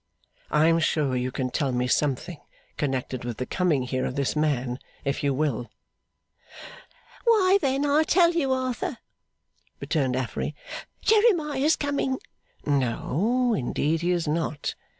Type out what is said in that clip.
I am sure you can tell me something connected with the coming here of this man, if you will.' 'Why, then I'll tell you, Arthur,' returned Affery 'Jeremiah's coming!' 'No, indeed he is not.